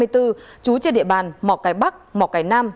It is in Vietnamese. trú trên địa bàn mỏ cái bắc mỏ cái nam